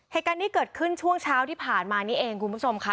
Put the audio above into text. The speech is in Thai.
เหตุการณ์นี้เกิดขึ้นช่วงเช้าที่ผ่านมานี้เองคุณผู้ชมค่ะ